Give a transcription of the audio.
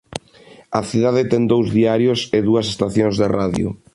A cidade ten dous diarios e dúas estacións de radio.